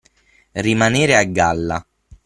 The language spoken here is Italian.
Rimanere a galla.